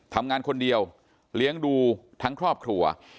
ทำงานคนเดียวเลี้ยงดูทั้งครอบครัว